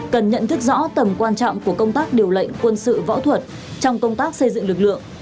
cần nhận thức rõ tầm quan trọng của công tác điều lệnh quân sự võ thuật trong công tác xây dựng lực lượng